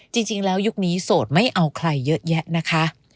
จริงแล้วยุคนี้โสดไม่เอาใครเยอะแยะนะคะ